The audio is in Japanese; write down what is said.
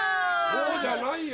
「ＧＯ！」じゃないよ。